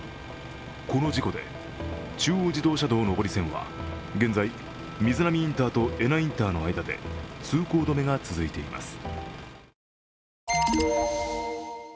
この事故で中央自動車道上り線は現在瑞浪インターと恵那インターの間で通行止めが続いています。